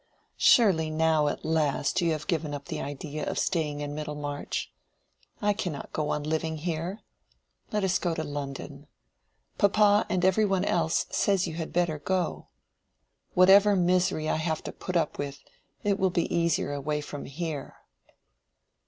"Surely now at last you have given up the idea of staying in Middlemarch. I cannot go on living here. Let us go to London. Papa, and every one else, says you had better go. Whatever misery I have to put up with, it will be easier away from here."